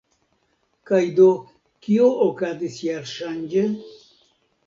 Kaj do, kio okazis jarŝanĝe?